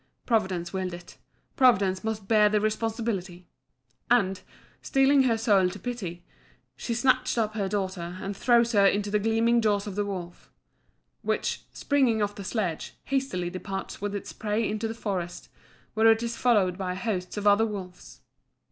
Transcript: Providence willed it Providence must bear the responsibility. And, steeling her soul to pity, she snatches up her daughter and throws her into the gleaming jaws of the wolf, which, springing off the sledge, hastily departs with its prey into the forest, where it is followed by hosts of other wolves.